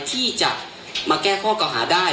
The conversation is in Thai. ที่จะมาแก้ข้อเก่าหาได้